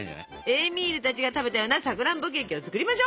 エーミールたちが食べたようなさくらんぼケーキを作りましょう。